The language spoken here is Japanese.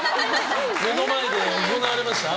目の前で行われました？